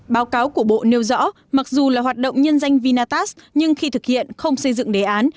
báo cáo của bộ nêu rõ mặc dù là hoạt động nhân danh vinatax nhưng khi thực hiện không xây dựng đề án